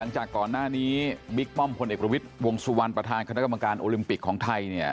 จากก่อนหน้านี้บิ๊กป้อมพลเอกประวิทย์วงสุวรรณประธานคณะกรรมการโอลิมปิกของไทยเนี่ย